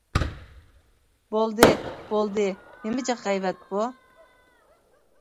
-بولدى بولدى، نېمە جىق غەيۋەت بۇ!